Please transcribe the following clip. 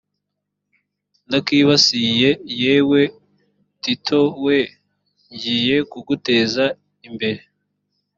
ndakwibasiye yewe tiro we ngiye kuguteza imbere